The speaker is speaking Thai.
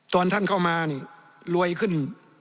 ตอนท่านเข้ามาลวยขึ้น๒๐๐